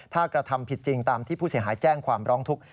ถ้ากระทำผิดจริงตามที่ผู้เสียหายแจ้งความร้องทุกข์